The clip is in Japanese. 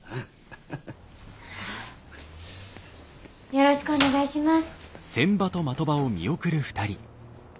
よろしくお願いします。